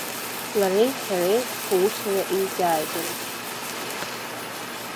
Лареи сареи ҳусура еизааигәан.